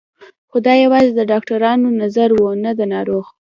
خو دا یوازې د ډاکترانو نظر و نه د ناروغ